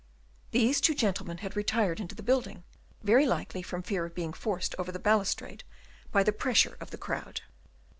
These two gentlemen had retired into the building, very likely from fear of being forced over the balustrade by the pressure of the crowd.